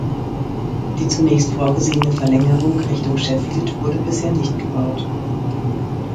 Die zunächst vorgesehene Verlängerung Richtung Sheffield wurde bisher nicht gebaut.